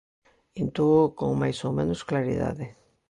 Intúoo con máis ou menos claridade.